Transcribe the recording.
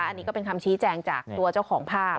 อันนี้ก็เป็นคำชี้แจงจากตัวเจ้าของภาพ